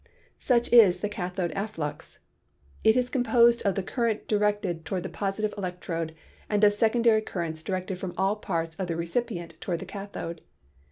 Such is the cathode afflux ; it is composed of the current directed toward the positive electrode and of secondary currents directed from all parts of the recipient toward the cathode.